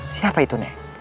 siapa itu nek